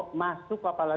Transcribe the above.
karena saya merasa kecil